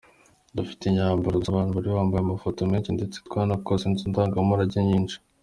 Dufite imyambaro gusa abantu bari bambaye, amafoto menshi ndetse twanakoze inzu ndangamurage nyinshi.